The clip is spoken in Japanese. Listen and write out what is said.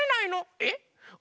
えっ？